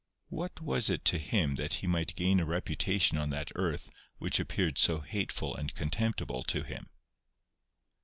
What was it to him that he might gain a reputation on that earth which appeared so hateful and contemptible to him